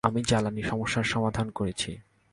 আমি জ্বালানী সমস্যার সমাধান করেছি।